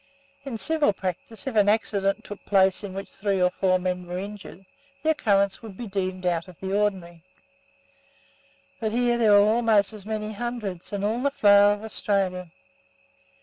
In civil practice, if an accident took place in which three or four men were injured, the occurrence would be deemed out of the ordinary: but here there were almost as many hundreds, and all the flower of Australia.